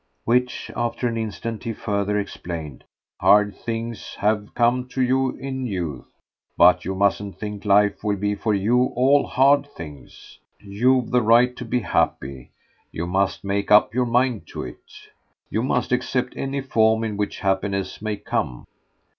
Which after an instant he further explained. "Hard things have come to you in youth, but you mustn't think life will be for you all hard things. You've the right to be happy. You must make up your mind to it. You must accept any form in which happiness may come."